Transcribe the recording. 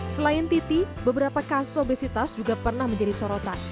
selain titi beberapa kasus obesitas juga pernah menjadi sorotan